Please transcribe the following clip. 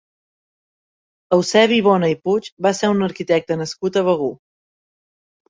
Eusebi Bona i Puig va ser un arquitecte nascut a Begur.